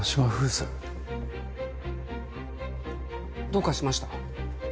どうかしました？